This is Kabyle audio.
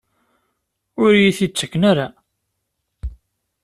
Ur iyi-t-id-ttaken ara?